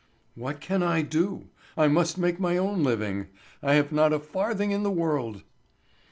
"What can I do? I must make my own living. I have not a farthing in the world."